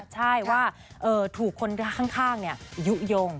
ใช่ว่าถูกคนข้างยุโยง